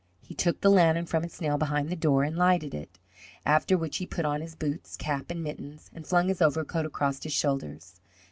He took the lantern from its nail behind the door and lighted it, after which he put on his boots, cap, and mittens, and flung his overcoat across his shoulders.